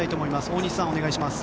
大西さん、お願いします。